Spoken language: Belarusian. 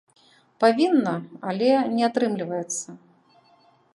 Павінна, але не атрымліваецца.